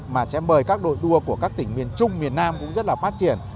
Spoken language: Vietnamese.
mà sẽ mời các đội đua của các tỉnh miền trung miền nam cũng rất là phát triển